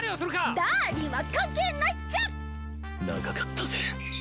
ダーリンは関係ないっちゃ！長かったぜ。